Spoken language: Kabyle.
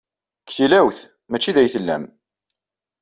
Deg tilawt, maci da ay tellam.